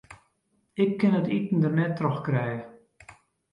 Ik kin it iten der net troch krije.